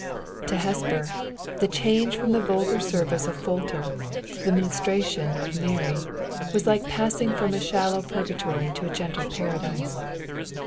To Hesper, the change from the vulgar service of Folter to the ministration of Mary was like passing from a shallow purgatory to a gentle paradise.